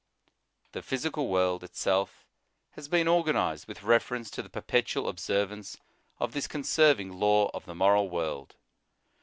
The physical world itself has been organized with refer ence to the perpetual observance of this con serving law of the moral world.